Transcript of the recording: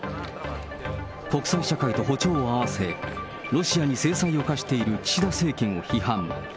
国際社会と歩調を合わせ、ロシアに制裁を科している岸田政権を批判。